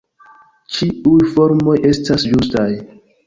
Ĉiuj formoj estas ĝustaj.